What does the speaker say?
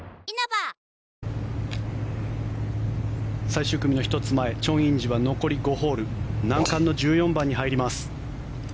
最終組の１つ前チョン・インジは残り５ホール難関の１４番に入ります。